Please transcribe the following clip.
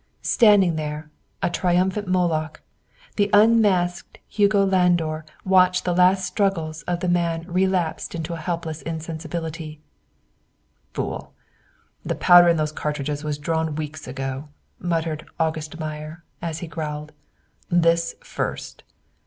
Standing there, a triumphant Moloch, the unmasked Hugo Landor watched the last struggles of the man relapsed into a helpless insensibility. "Fool, the powder in those cartridges was drawn weeks ago," muttered "August Meyer," as he growled, "This first!"